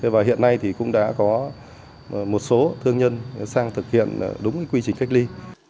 và hiện nay thì cũng đã có một số thương nhân sang thực hiện đúng quy trình cách ly